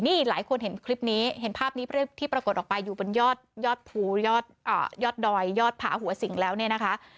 นี่หลายคนเห็นคลิปนี้เห็นภาพนี้ที่ปรากฏออกไปอยู่บนยอดภูยอดยอดดอยยอดผาหัวสิงแล้วเนี่ยนะคะ